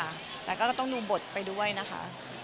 อยากเล่นทุกเรื่องค่ะ